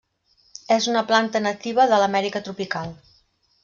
És una planta nativa de l'Amèrica tropical.